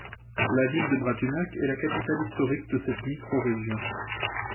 La ville de Bratunac est la capitale historique de cette microrégion.